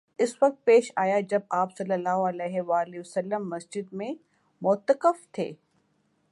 اس وقت پیش آیا جب آپ صلی اللہ علیہ وسلم مسجد میں معتکف تھے